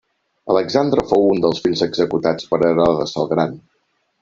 Alexandre fou un dels fills executats per Herodes el Gran.